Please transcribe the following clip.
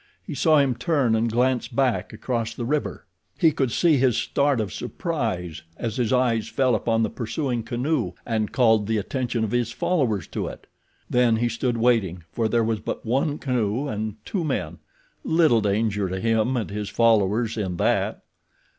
He saw him turn and glance back across the river. He could see his start of surprise as his eyes fell upon the pursuing canoe, and called the attention of his followers to it. Then he stood waiting, for there was but one canoe and two men—little danger to him and his followers in that.